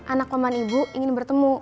anak oman ibu ingin bertemu